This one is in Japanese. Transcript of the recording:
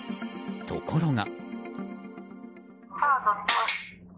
ところが。